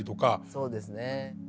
そうですね。